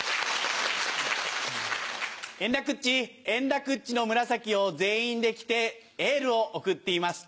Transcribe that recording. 円楽っち円楽っちの紫を全員で着てエールを送っています。